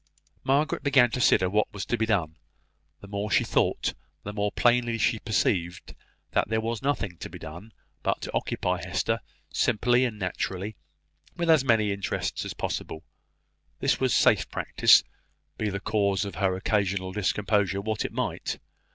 Margaret began to consider what was to be done. The more she thought, the more plainly she perceived that there was nothing to be done but to occupy Hester, simply and naturally, with as many interests as possible. This was safe practice, be the cause of her occasional discomposure what it might.